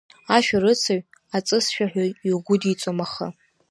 Ашәарыцаҩ аҵысшәаҳәаҩ, иугәыдиҵом ахы.